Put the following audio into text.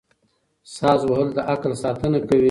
ساز وهل د عقل ساتنه کوي.